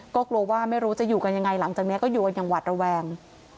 ก็กลัวว่าไม่รู้จะอยู่กันยังไงหลังจากนี้ก็อยู่กันอย่างหวัดระแวง